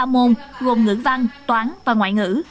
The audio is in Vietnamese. ba môn gồm ngữ văn toán và ngoại ngữ